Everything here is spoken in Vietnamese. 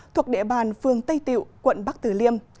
thuộc địa bàn phường tây tiệu quận bắc tử liêm